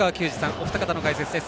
お二方の解説です。